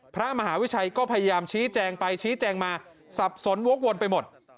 พระมหาวิชัยก็พยายามชี้แจงไปชี้แจงมาสับสนวกวนไปหมด